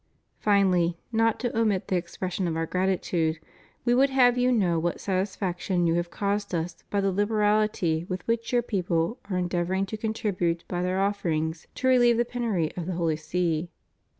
Finally, not to omit the expression of Our gratitude, We would have you know what satisfaction you have caused Us by the liberality with which your people are endeavoring to contribute by their offerings to reheve the penury of the Holy See.